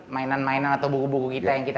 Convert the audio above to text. mainan mainan atau buku buku kita yang kita